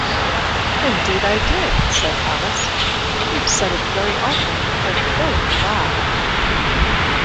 ‘Indeed I did,’ said Alice: ‘you’ve said it very often—and very loud.